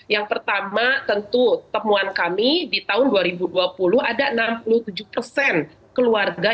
yang pertama tentu temuan kami di tahun dua ribu dua puluh ada enam puluh tujuh persen keluarga